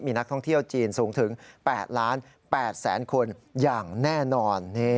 มีนักท่องเที่ยวจีนสูงถึง๘๘๐๐๐คนอย่างแน่นอน